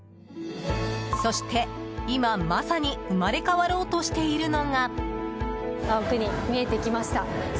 そして今まさに生まれ変わろうとしているのが。